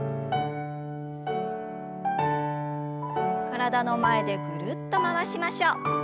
体の前でぐるっと回しましょう。